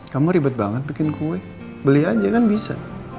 kamu ribet banget bikin kue beli aja kan bisa